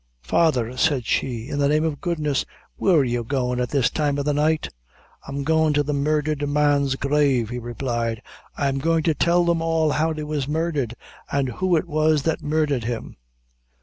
"Father," said she, "in the name of goodness, where are you goin' at this time o' the night?" "I'm goin' to the murdhered man's grave," he replied, "I'm goin' to toll them all how he was murdhered, an' who it was that murdhered him."